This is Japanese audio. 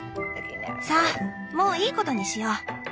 さあもういいことにしよう。